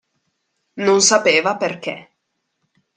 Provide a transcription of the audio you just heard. Non sapeva perché.